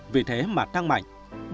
vì thế mà tăng mạnh